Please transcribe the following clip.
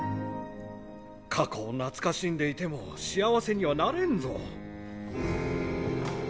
過去を懐かしんでいても幸せにはなれんぞ。